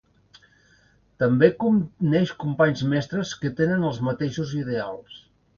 També coneix companys mestres que tenen els mateixos ideals.